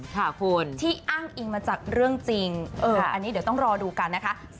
ค่ะคุณที่อ้างอิงมาจากเรื่องจริงอันนี้เดี๋ยวต้องรอดูกันนะคะ